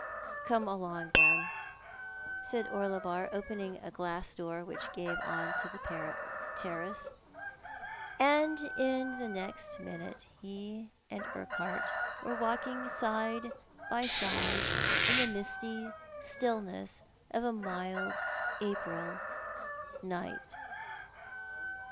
" Come along, then," said Orlebar, opening a glass door which gave on to the terrace ; and in the next minute ho and Urquhart If it could have been. 69 ■were walking side by side in the misty stillness of a mild April night.